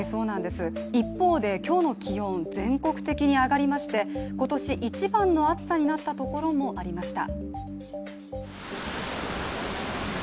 一方で、今日の気温、全国的に上がりまして今年一番の暑さとなったところもありました。